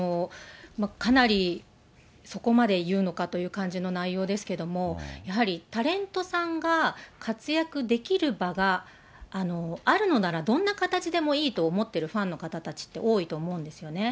かなりそこまで言うのかという感じの内容ですけども、やはり、タレントさんが活躍できる場があるのなら、どんな形でもいいと思っているファンの方たちって多いと思うんですよね。